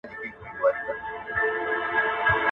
کله چې پانګونه زياته سي نو عايد به هم لوړ سي.